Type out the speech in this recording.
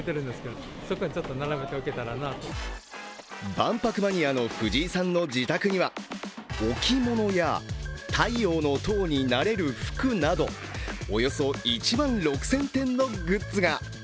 万博マニアの藤井さんの自宅には、置き物や太陽の塔になれる服などおよそ１万６０００点のグッズが。